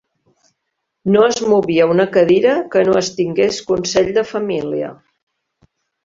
No es movia una cadira que no es tingués consell de família